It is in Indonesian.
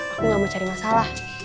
aku gak mau cari masalah